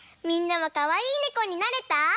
みんなもかわいいねこになれた？